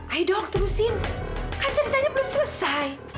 ayo dong terusin kan ceritanya belum selesai